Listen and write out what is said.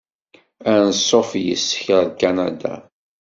Ansuf yis-k ar Kanada!